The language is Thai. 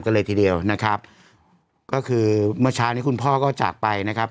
เลยทีเดียวนะครับก็คือเมื่อเช้านี้คุณพ่อก็จากไปนะครับ